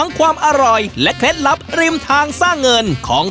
นี่ค่ะ๖๐บาทเท่านั้นเอง